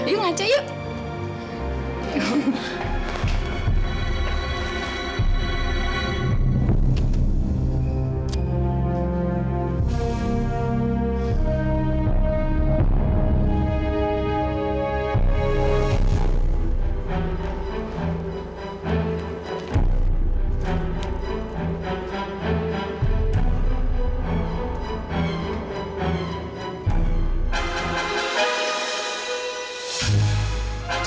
yuk ngaca yuk